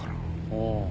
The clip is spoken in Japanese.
ああ。